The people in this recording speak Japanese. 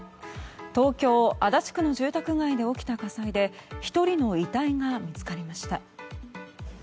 東京・足立区の住宅街で起きた火災で１人の遺体が見つかりました。